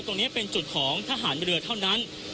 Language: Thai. ตรงนี้เป็นจุดของทหารเรือเท่านั้น